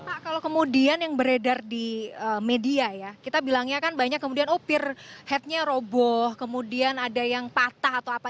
pak kalau kemudian yang beredar di media ya kita bilangnya kan banyak kemudian oh peer headnya roboh kemudian ada yang patah atau apa